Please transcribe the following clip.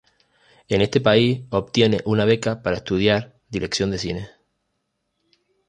En este país obtiene una beca para estudiar dirección de cine.